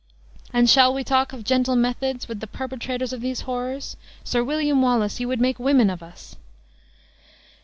And, shall we talk of gentle methods, with the perpetrators of these horrors? Sir William Wallace, you would make women of us!"